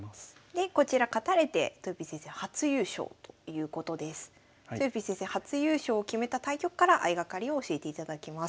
でこちら勝たれてとよぴー先生初優勝を決めた対局から相掛かりを教えていただきます。